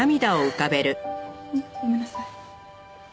ごめんなさい。